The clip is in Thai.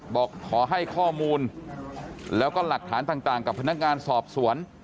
บอกขอให้ข้อมูลแล้วก็หลักฐานต่างกับพนักงานสอบสวน